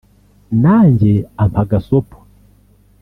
nanjye ampa gasopo